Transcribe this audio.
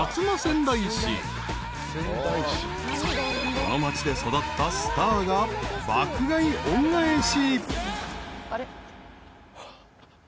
［この町で育ったスターが爆買い恩返し］